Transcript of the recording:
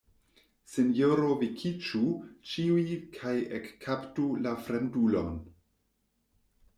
Sinjoro Vekiĝu ĉiuj kaj ekkaptu la fremdulon!